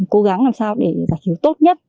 cố gắng làm sao để giải cứu tốt nhất